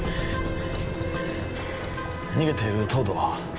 逃げている東堂は？